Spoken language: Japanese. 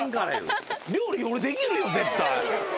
料理俺できるよ絶対。